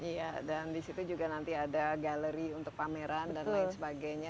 iya dan disitu juga nanti ada galeri untuk pameran dan lain sebagainya